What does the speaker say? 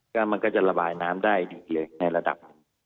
ก็มันก็จะระบายน้ำได้อยู่ในระดับ